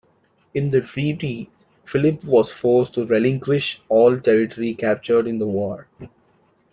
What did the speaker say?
In the treaty, Philip was forced to relinquish all territory captured in the war.